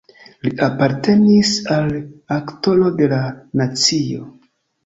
Li apartenis al Aktoro de la nacio.